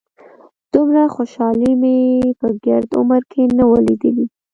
دومره خوشالي مې په ګرد عمر کښې نه وه ليدلې.